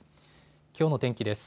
きょうの天気です。